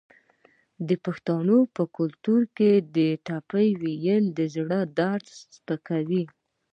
د پښتنو په کلتور کې د ټپې ویل د زړه درد سپکوي.